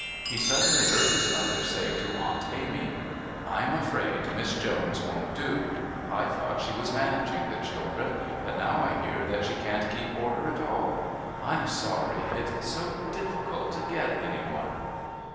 He suddenly heard his mother say to Aunt Amy: "I'm afraid Miss Jones won't do. I thought she was managing the children, but now I hear that she can't keep order at all. I'm sorry it's so difficult to get anyone."